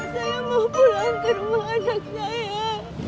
saya mau pulang ke rumah anak saya